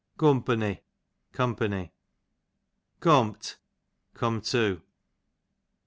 Cumpunny, company. Cumt', come to.